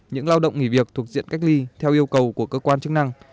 những lao động nghỉ việc thuộc diện cách ly theo yêu cầu của cơ quan chức năng